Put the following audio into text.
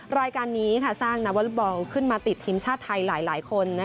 รายการนี้สร้างนักวอเล็กบอลขึ้นมาติดทีมชาติไทยหลายคน